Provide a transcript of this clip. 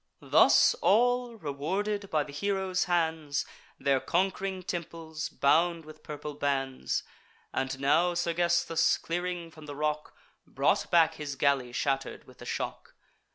Thus all, rewarded by the hero's hands, Their conqu'ring temples bound with purple bands; And now Sergesthus, clearing from the rock, Brought back his galley shatter'd with the shock.